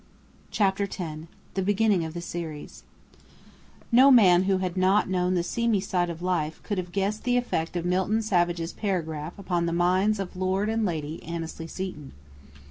CHAPTER X BEGINNING OF THE SERIES No man who had not known the seamy side of life could have guessed the effect of Milton Savage's paragraph upon the minds of Lord and Lady Annesley Seton.